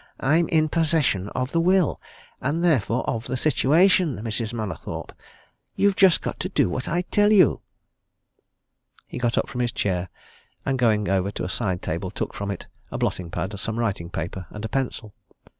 I'm in possession of the will and therefore of the situation, Mrs. Mallathorpe, you've just got to do what I tell you!" He got up from his chair, and going over to a side table took from it a blotting pad, some writing paper and a pencil.